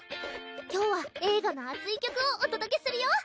今日は映画のあつい曲をおとどけするよ